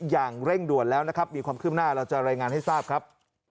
อย่างเร่งด่วนแล้วนะครับมีความขึ้นหน้าเราจะรายงานให้ทราบครับ